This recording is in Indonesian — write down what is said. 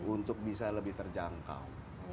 untuk bisa lebih terjangkau